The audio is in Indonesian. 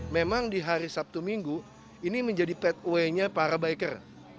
memang di hari sabtu minggu ini menjadi pathway nya para biker